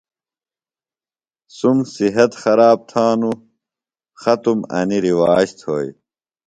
سُم صحت خراب تھانوۡ، ختم انیۡ رِواج تھوئیۡ